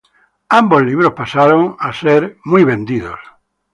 Ambos libros pasaron a ser best sellers.